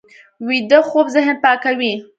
ویده خوب ذهن پاکوي